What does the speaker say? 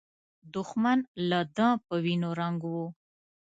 دښمن له ده په وینو رنګ و.